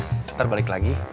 ntar balik lagi